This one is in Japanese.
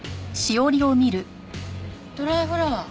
ドライフラワー。